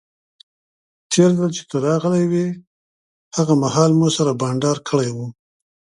تیر ځل چې ته راغلی وې هغه مهال مو سره بانډار کړی وو.